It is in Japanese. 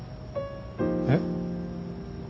えっ？